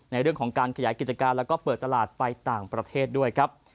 ในเรื่องของการขยายกิจการแล้วก็เปิดตลาดไปต่างประเทศด้วยครับ